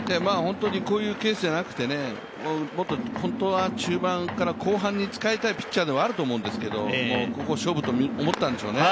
こういうケースではなくてもっと本当は中盤から後半に使いたいピッチャーではあるんですけど、ここを勝負と思ったんでしょうね。